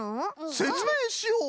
せつめいしよう！